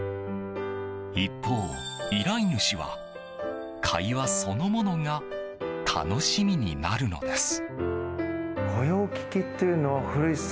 一方、依頼主は会話そのものが楽しみになるのです。